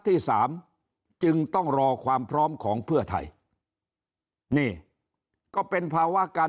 ที่สามจึงต้องรอความพร้อมของเพื่อไทยนี่ก็เป็นภาวะการ